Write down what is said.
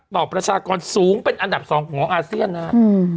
ประชากรสูงเป็นอันดับ๒ของอาเซียนนะครับ